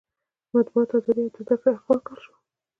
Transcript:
د مطبوعاتو ازادي او د زده کړې حق ورکړل شو.